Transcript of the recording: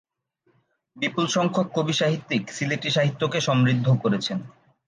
বিপুল সংখ্যক কবি-সাহিত্যিক সিলেটি সাহিত্যকে সমৃদ্ধ করেছেন।